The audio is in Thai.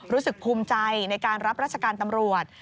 รู้สึกภูมิใจในการรับราชการตำรวจ